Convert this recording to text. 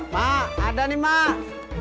mbak ada nih mbak